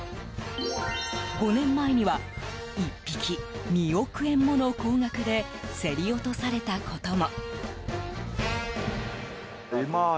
５年前には、１匹２億円もの高額で競り落とされたことも。